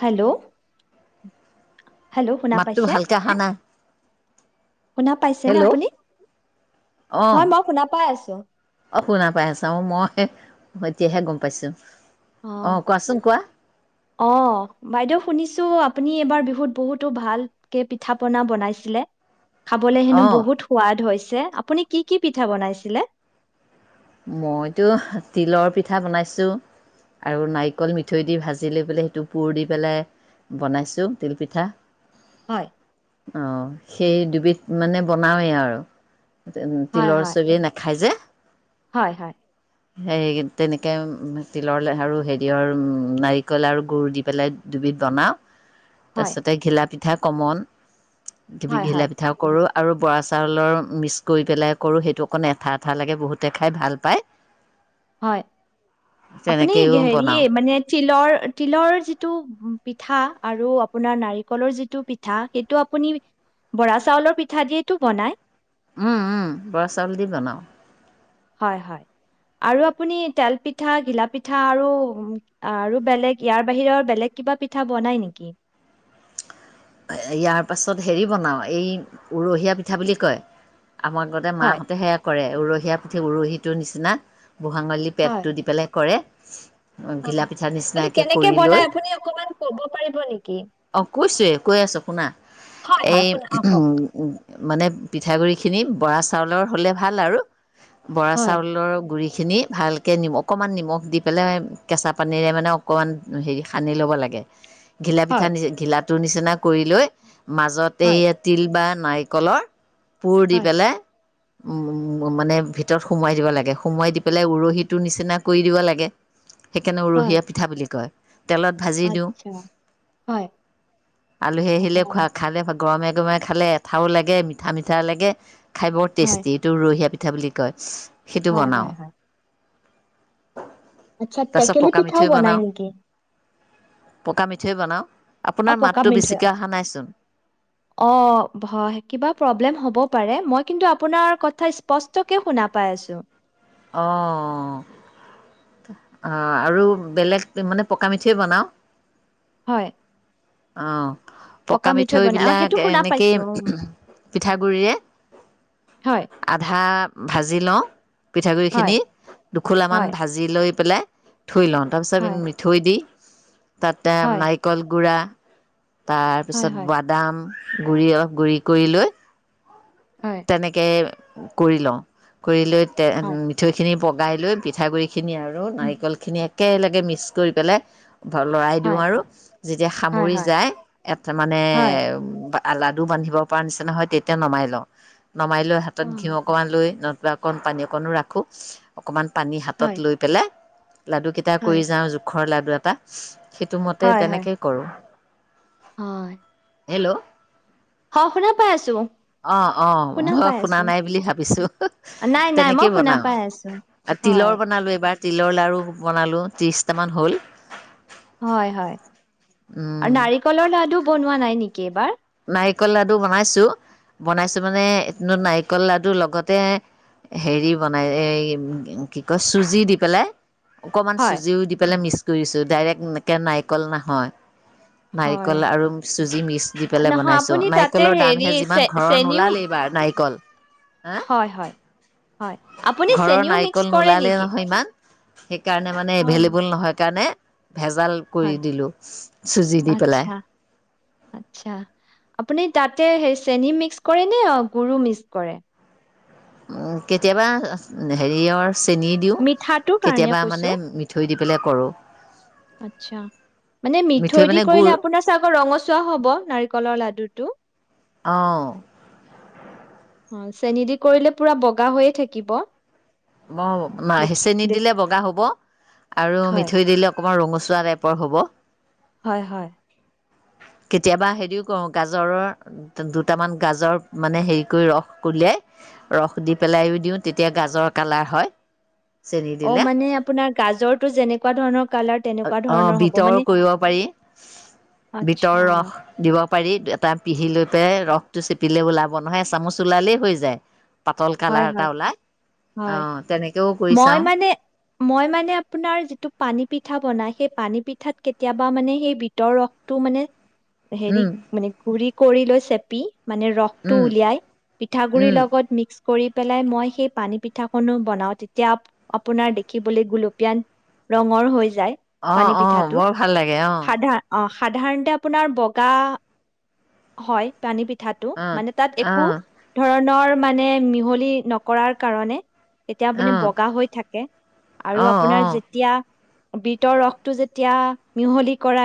Hello hello শুনা মাতটো পাইছে ভালকে আহা নাই। শুনা পাইছেনে হেল্ল'অ', আপুনি হয় মই শুনা পাই আছো শুনা পাই আছা অ', মই মই এতিয়াহে গম পাইছো। অ', অ', বাইদেউ শুনিছ ত' আপুনি এইবাৰ বিহুত বহুতো ভালকে পিঠা পনা বনাইছিলে। খাবলে হেনো অঁ বহুত সোৱাদ হৈছে। যে আপুনি কি কি পিঠা বনাইছিলে? মইতো তিলৰ পিঠা বনাইছো আৰু নাৰিকল মিঠৈ দি ভাজি লৈ পেলাই সেইটো পুৰ দি পেলাই বনাইছো তিল পিঠা। হয় অহ। সেই দুবিধ মানে বনাওেই আৰু। হয় তিলৰ হয় চবিয় নাখায় যে। হয়, হয়। সে তেনেকে তিলৰ আৰু হেৰিয়ৰ নাৰিকল আৰু গুৰ দি পেলাই দুবিধ বনাওঁ। তাৰ হয় পিছতে ঘিলা পি থা কমন কিবি হয় ঘিলা হয় পিঠাও কৰোঁ। আৰু বৰা চাউলৰ মিক্স কৰি পেলাই কৰোঁ সেইটো অকণ এঠা এঠা লাগে বহুত। দেখাই ভাল পায়। হয় আপুনি তেনেকৈও হেৰি বনাওঁ মানে তিলৰ তিলৰ যিটো পিঠা আৰু আপোনাৰ নাৰিকলৰ যিটো পিঠা সেইটো আপুনি বৰা চাউলৰ পিঠা দিয়েইটো বনায় উম উম বৰা চাউল দি বনাওঁ হয় হয়। আৰু আপুনি তেলপিঠা ঘিলাপিঠা আৰু। আৰু বেলেগ ইয়াৰ বাহিৰেবব বেলেগ কিবা পিঠা বনাই নেকি ইয়াৰ পাছত হেৰি বনাওঁ এই উৰহীয়া পিঠা বুলি কয় আমাৰ ঘৰতে হয়। মাহঁতেহে কৰে উৰহী কঠিয়া পুঠি উৰহিটোৰ নিচিনা বুঢ়া আঙুলী হয়, পেটটো দি পেলাই কৰে ঘিলা হয় পিঠাৰ এইটো নিচিনাকৈ কেনেকে কৰি লৈ বনাই আপুনি অকমান কব পাৰিব নেকি? অঁ কৈছোঁৱেই কৈ আছো শুনা হয়, এ হয়, শুনা অ', কওক। মানে পিঠাগুড়ি খিনি বৰা চাউলৰ হ'লে ভাল আৰু বৰা হয়, চাউলৰ গুৰি খিনি ভালকৈ নি অকণমান নিমখ দি পেলাই কেঁচা পানীৰে মানে অকণমান হেৰি সানি ল'ব লাগে। ঘিলা পিঠা হয়, নি ঘিলাত তো নিচিনা কৰি লৈ মাজত হয়, এইয়া তিল বা নাৰিকলৰ পোৰ দি হয়, পেলাই উ মানে ভিতৰত সোমোৱাই দিব লাগে সোমোৱাই দি পেলাই উৰহিটোৰ নিচিনা কৰি দিব লাগে সেইকাৰণে হয়, উৰহীয়া পিঠা বুলি কয় তেলত ভাজি দিওঁ আচ্ছা হয় আলহী অ', আহিলে খোৱা খালে ভাল গৰমে গৰমে খালে এঠাও লাগে মিঠা মিঠা লাগে। খাই বৰ হয়, টেষ্টি এইটো উৰহীয়া পিঠা পিঠা বুলি কয়। সেইটো হয় হয় বনাওঁ হয় আচ্ছা তাৰপিছত টেকেলি পকা পিঠাও মিঠৈ বনাই বনাওঁ নেকি পকা মিঠৈ বনাওঁ। অ', আপোনাৰ মাত পকা মিঠৈ। অ--হয়--কিবা প্ৰব্লেম হব। পাৰে মই কিন্তু আপোনাৰ স্পষ্টকে শুনা পাই আছোঁ অ অ আৰু বেলেগ মানে পকা মিঠে বনাওঁ হয় অ। পকা মিঠৈ বনাই অ মিঠৈবিলাক সেইটো শুনা এনেকেই পাইছো উম [unintelligible] পিঠাগু়িৰে হয় আধা ভাজি লওঁ। পিঠা গুৰি হয় খিনি দুখোলা মান হয় ভাজি লৈ পেলাই থৈ লওঁ তাৰপিছত আমি হয় মিঠৈ দি তাতে হয় নাৰিকল গুড়া, তাৰ হয় পিছত হয় বাদাম গুৰি অলপ গুৰি কৰি লৈ হয় তেনেকে কৰি লওঁ কৰিলৈ হয় মিঠৈখিনি প গাই লৈ পিঠাগুৰি সেইখিনিয়ে আৰু উম নাৰিকলখিনিয়ে একেলগে মিক্স কৰি পেলাই ধৰ লৰাই দিওঁ হয় আৰু যেতিয়া হয় সামৰি হয় যায় এট মানে হয় আ লাডু বান্ধিব পৰা নিচিনাহয় তেতিয়া নমাই লওঁ। নমাই লৈ, অ হাতত ঘিউ অকণমান লৈ ন, কিবা অকণ পানী অকণো ৰাখোঁ অকণমান পানী হাতত হয় লৈ পেলাই লাডুকেইটা হয় কৰি যাওঁ জোখৰ লাডু আৰু এটা সেইটো মতে হয় হয় তেনেকেই কৰোঁ। হয়', - হেল্ল' অ শুনা পাই আছো। অহ ', - অহ', মই পাই শুনা আছো নাই বুলি ভাবিছো, নাই নাই মই তেনেকেই শুনা বনাও পাই আছো আৰু হয় তিলৰ বনালো এইবাৰ তিলৰ লাৰ়ু বনালোঁ ত্ৰিছটামান হ'ল। হয় -হয় উম আৰু নাৰিকলৰ লাডু বনোৱা নাই নেকি? কেইবাৰ নাৰিকল লাডু বনাইছো বনাইছো মানে নাৰিকল লাডু লগতে হেৰি বনাই এই কি কয় চুজি দি পেলাই অকমান হয় চুজিও দি পেলাই মিক্চ, কৰিছো ডাইৰেক্ট এনেকে নাৰিকল নহয়, হয় নাৰিকল আৰু চুজি মিস দি পেলাই নহয় বনাইছোঁ আপুনি তাতে নাৰিকলৰ হেৰি দামহে চে যিমান ঘৰৰ চেনিও নোলাল এইবাৰ নাৰিকল হা হয় হয় হয় আপুনি ঘৰৰ চেনিও মিক্স নাৰিকল কৰে নোলালে নেকি নহয় ইমান সেইকাৰণে মানে হয় নি- এভেইলেবল নহয় কাৰণে ভেজাল কৰি হয় দিলোঁ চুজি দি পেলাই আচ্ছা আচ্ছা আপুনি তাতে সেই চেনি মিক্স কৰে নে গৰু মিক্স কৰে উ কেতিয়াবা হেৰিয়ৰ চেনি দিওঁ মিঠটোৰ কাৰণে কেতিয়াবা কৈছো মানে মিঠৈ দি পেলাই কৰোঁ আচছা মানে মিঠৈ মানে দি গুড় কৰিলে আপোনাৰ চ আকৌ ৰঙচুৱা হব নাৰিকলৰ লাডুটো অঁ অ চেনি দি কৰিলে পুৰা বগা হৈয়ে থাকিব অ দেখি হেচেন দে দিলে বগা হ'ব আৰু হয়। মিঠৈ দিলওক অকণাৰ ৰঙচুৱা টাইপৰ হ'ব হয় হয় কেতিয়াবা হেৰিও কৰো গাজৰৰ দুটামান গাজৰ মানে হেৰি কৰি ৰস উলিয়াই ৰস দি পেলাইও দিওঁ তেতিয়া গাজৰ কালাৰ হয় চেনি অ দিলে মানে আপোনাৰ গাজৰটো যেনে তেকুৱা ধৰণৰ কালাৰ তেনেকুৱা অ ধৰণৰ হ'ব বিতৰ মানে কৰিব পাৰি আচ্ছা বিতৰ ৰস দিব পাৰি এটা পিহি লৈ পেলাই ৰস টো চেপিলে ওলাব নহয় এচামুচ ওলালেই হৈ যায় পাতল হয় কালাৰ এটা হয় ওলাই হয় অ' তেনেকেও কৰি মই চাওঁ মানে মই মানে আপোনাৰ যিটো পানী পিঠা বনাই সেই পানী পিঠাত কেতিয়াবা মানে সেই বিতৰ ৰসটো মানে হেৰি উম, মানে ঘৰি কৰি লৈ চেপি মানে ৰসটো উম, উলিয়াই পিঠ গুৰি উম, লগত মিক্স পেলাই মই সেই পানী পিঠা খো বনাও তেতিয়া আপোনাৰ দেখিবলৈ গলপীয়ান ৰঙৰ হৈ যায় অঁ পানী অঁ পিঠাটো বৰ ভাল লাগে আহ সাধা অ সাধাৰণতে আপোনাৰ বগা হয় পানী পি পিঠাটো অ', মানে তাত একো অ', ধৰণৰ মানে মিহলি নকৰাৰ কাৰণে তেতিয়া আপুনি অ', বগা হৈ থাকে আৰু অ', আপোনাৰ অ', যেতিয়া বিটৰ ৰসটো যেতিয়া মিহলি কৰা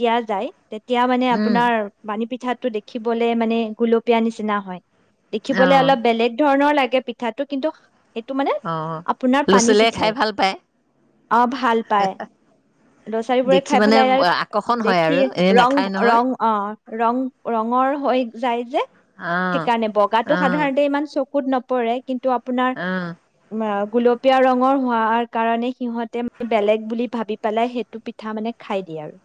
দিয়া যায় তেতিয়া মানে উম, আপোনাৰ বাানী প পিঠাটো দেখিবলে মানে গুলপীয়া নিচিনা হয়। দেখিবলে অ', অলপ বেলেগ ধৰণৰ লাগে পিঠাটো কিন্তু সেইটো মানে অ', আপোনাৰ ল'ৰা পানী ছোৱালীয়ে পিঠাই খাই ভাল পায় অ', ভাল পায়, দচাৰীবোৰে দেখি খাই মানে পেলাইাৰ আকৰ্ষণ হয় দেখি আৰু এনেই ৰং নাখায় নহয় ৰং অ'। ৰং ৰঙৰ হৈ যায় যে। অ', সেইকাৰণে বগাটো অ', সাধাৰণতে ইমান চক চকুত নপৰে কিন্তু আপোনাৰ অ', গুলপীয়া ৰঙৰ হোৱাৰ কাৰণে সিহঁতে বেলেগ বুলি ভাবি পেলাই সেইটো পিঠা মানে খাই দিয়ে আৰু।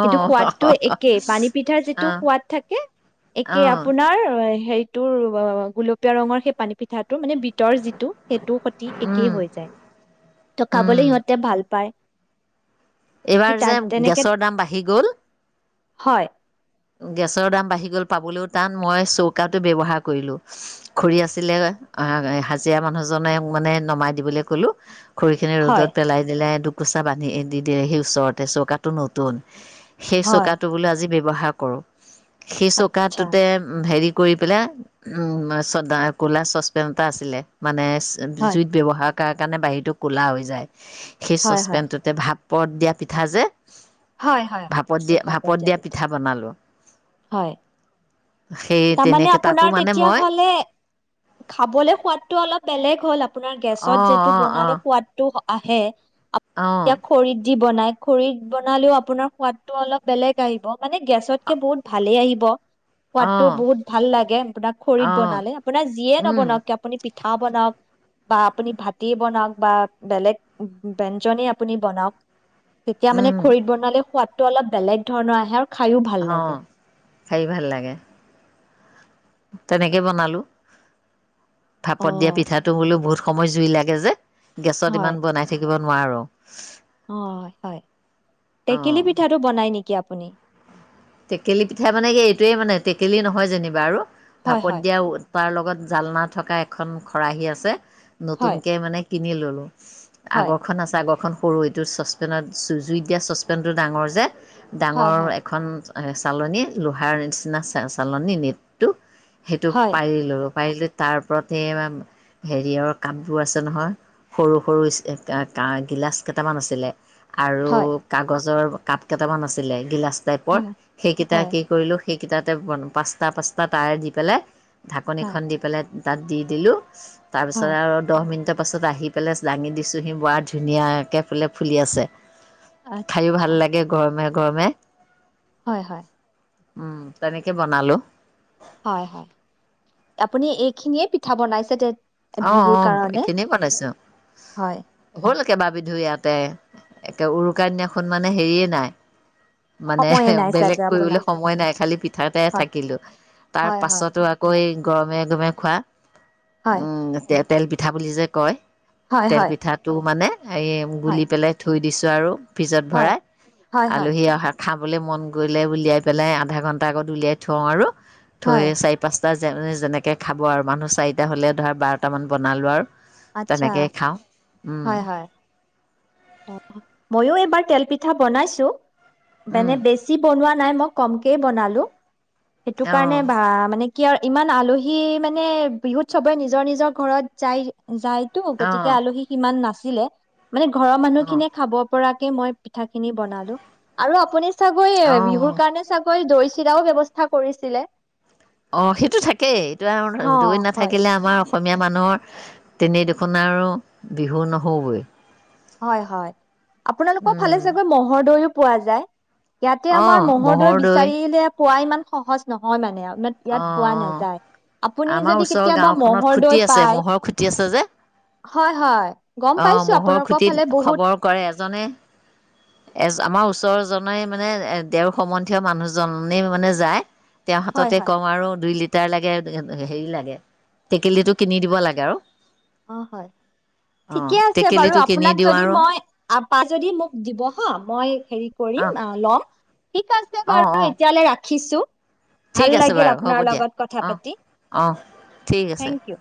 কিন্তু সোৱাদটো একেই। পানী পিঠাৰ যিটো অ', সোৱাদ থাকে, অ', একেই অ', আপোনাৰ হেইত তৰ গুল পিয়া ৰঙৰ সেই পানী পিঠাটো মানে বি গীতৰ যিটো সেইটোৰ সতি উম, একেই হৈ যায়, ত' উম, খাবলে সিহঁতে ভাল পায়। সেই এইবাৰ তাত যে তেনেকে গেছৰ দাম বাঢ়ি গ'ল। হয়। গেছৰ দাম বাঢ়ি গল, পাবলৈও টান, মই চৌকাটো ব্যৱহাৰ কৰিলো। খৰি আছিলে, হা হাজিৰা মানুহজনে মানে নমাই দিবলৈ কলো খৰিখিনি হয় ৰ'দত পেলাই দিলে কুচা বান্ধি দি দিয়ে সেই ওচৰতে চৌকাটো নতুন সেই হয় চোকা টো বোলে আজি ব'হাগ কৰোঁ। সেই আচ্ছা চৌকাটোতে হেৰি কৰি পেলাই উম, চা ক'লা চচপেন এটা আছিলে মানে হয় জুইত ব্যৱহাৰ তাৰ কাৰণে বাহিৰটো ক'লা হৈ যায়। সেই হয় হয় চচপেনটোতে ভাত পদ দিয়া পিঠা যে। ভাপত দিয়া ভাপত দিয়া পিঠা বনালোঁ। হয় সেই তাৰ মানে তেনেকে তাতো আপোনাৰ মানে তেতিয়া মই হ'লে খাবলৈ সোৱাতটো অলপ বেলে শেষ হ'ল আকৌ আপোনাৰ গেছত অঁ যিটো অঁ অঁ বনালে সোৱাদটো হ আহে অঁ এতিয়া খৰিত যি বনাই খৰি বনালেও আপোনাৰ সোৱাদটো অলপ বেলেগ আহিব মানে, গেছতকে বহুত ভালে আহিব। সোৱাদটো অঁ বহুত ভাল লাগে, আপোনাৰ খৰিত বনালে, আপোনাৰ যিয়ে অঁ নবনাওঁক কিয় আপুনি পিঠা বনাওঁক, বা আপুনি ভাতি বনাওঁক বা বেলেগ ব্যঞ্জনে আপুনি বনাওঁক তেতিয়া মানে বনালে সোৱাদটো অলপ বেলেগ ধৰণৰ আহে আৰু খায়ো ভাল লাগে অ', খাই ভাল লাগে। তেনেকে বনালো। অ ভাপত দিয়া পিঠাটো বোলো বহুত সময় জুই লাগে যে। গেছত ইমান হয় বনাই থাকিব নোৱাৰো। অ', হয়, টেকেলি অঁ পিঠাটো বনায় নেকি আপুনি? টেকেলি পিঠা মানে এই এইটোৱে মানে, টেকেলি নহয় যেনিবা আৰু হয় ভাপত হয় দিয়াউ তাৰ লগত জালনা থকা এখন খৰাহী আছে। হয় নতুনকে মানে কিনি ল'লোঁ। হয় আগৰখন আছে, আগৰখন সৰু এইটো চচপেনত জু-জুইত দিয়া চচপেনটো ডাঙৰ যে। হয় ডাঙৰ হয় এখন চালনী, লোহাৰ নিচিনা চ চালনী, নেটটো। সেইটো হয় পাৰিলোঁ। পাৰিলে তাৰ ওপৰতে [unintelligible] হেৰিয়ৰ কাপবোৰ আছে নহয়, সৰু, সৰু ষ্টে এ গা গিলাচ কেইটামান আছিলে। আৰু হয় কাগজৰ কাপ কেইটামান আছিলে, গিলাচ টাইপৰ হয় কেইটা হয় কি কৰিলোঁ সেইকেইটাতে বন, পাঁচটা, পাঁচটা তাৰে দি পেলাই হয় ঢাকনিখন দি পেলাই তাক দি দিলোঁ। তাৰপিছত হয় আৰু দহ মিনিটত পাছত আহি পেলাই দাঙি দিছোঁহি ৱা, ধুনীয়াকৈ একে ফুলে ফুলি আছে। খাইয়ো ভাল আচ্ছা, লাগে গৰমে গৰমে হয় হয় উম তেনেকে বনালো। হয় হয় আপুনি এইখিনিয়ে পিঠা বনাইছে তে- অ, বিহুৰ অ কাৰণে? এইখিনি বনাইছো, হয়, হল। কেবা বিধো ইয়াতে একে উৰুকা দিনাখন মানে হেৰিয়ে নাই। মানে সময়ে নাই বেলেগ চাগে কৰিবলৈ আপোনাৰ। সময় নাই খালি পিঠাতে হয়, থাকিলো তাৰ হয়, হয়, পাছতো আকৌ এই গৰমে গৰমে খোৱা। হয়, ও টেট। তেল পিঠা বুলি যে কয় - হয়, তেল হয়, পিঠাটো মানে - হেৰি হয়, গুলি পেলাই থৈ দিছ। [unintelligible] ফ্ৰিজত হয়, ভৰাই হয়, হয়, আলহী অহাক খাবলৈ মন গৈলে উলিয়াই পেলাই আধা ঘণ্টা আগত উলিয়াই থওঁ আৰু। হয়, থৈয়ে চাৰি পাঁচ বা যে যেনেকে খাব আৰু মানুহ চাৰিটা হ'লে [unintelligible] বাৰটামান বনালোঁ আৰু। আচ্ছা, তেনেকেই খাওঁ। উম। হয়, হয়। ময়ো এইবাৰ তেল পিঠা বনাইছো। উম, বেনে বেছি বনোৱা নাই মোক কমকে বনালো। সেইটো কাৰণে অ', বা মানে কিয় ইমান আলহী মানে বিহুত চবে নিজৰ নিজৰ ঘৰত যায়, যায়। টো গতিকে অ', আলহী সিমান নাচ [unintelligible] মানে ঘৰৰ অ', মানুহখিনিয়ে খাব। পৰাকে মই, পিঠা- খিনি বনালো। আৰু আপুনি, চাগৈয়ে বিহুৰ অ'। কাৰণে চাগ, - ঐ দৈ চিৰাও ব্যৱস্থ [unintelligible] কৰিছিলে? অ সেইটো থাকেই অ [unintelligible] দৈ হয় নাথাকিলে আমাৰ - অসমীয়া মানুহৰ তেনেই দুখ আৰু বিহু নহবই হয় হয়, আপোনালোকৰ ফালে চাগৈ মহ'ৰ দৈও পোৱা যায়। ইয়াতে আমাৰ অঁ মহৰদৈ ম'হৰ দৈ বিচাৰিলে পুৱা ইমান সহজ নহয় মানে আৰু। ইমান ইয়াত অঁ পোৱা অঁ নাযায়, আপুনি আমাৰ যদি ওচৰৰ কেতিয়াবা গাঁওখনত ম'হৰ খুটি দৈ আছে পায়, ম'হৰ খুটি আছে যে হয় হয়। গম অঁ পাইছো, ম'হৰ আপোনালোকক খুটিত খবৰ কৰে এজনে, এজ আমাৰ ওচৰ জনে মানে, এ দেওৰ সম্বন্ধীয় মানুহজনেই মানে যায়। তেওঁ হয়, হাতততে হয়। কওঁ আৰু দুই লিট টাৰ লাগে, এব হেৰি লাগে, টেকেলিটো কিনি দিব লাগে আৰু। অ হয়। অঁ ঠিকে আছে বাৰু টেকেলিটো কিনি আপোনাক দিওঁ যদি আৰু মই আ পা যদি মোক দিব হা, মই হেৰি কৰিম অঁ আ লম, ঠিক আছে অঁ বাৰু অঁ এতিয়ালৈ ৰা খিছো। ভাল ঠিক আছে লাগিল বাৰু হ'ব আপোনাৰ দিয়া লগত কথা অঁ পাতি, অঁ ঠিক আছে থেংক ইউ।